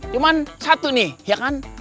cuma satu nih ya kan